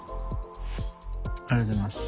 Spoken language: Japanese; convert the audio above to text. ありがとうございます。